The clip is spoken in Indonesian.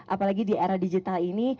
apalagi di era digital ini